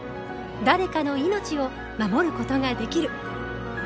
誰かの命を守ることができる。